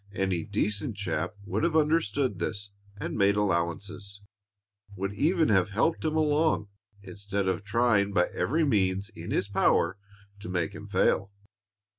Any decent chap would have understood this and made allowances, would even have helped him along instead of trying by every means in his power to make him fail.